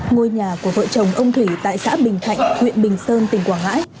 ngôi nhà của vợ chồng ông thủy tại xã bình thạnh huyện bình sơn tỉnh quảng ngãi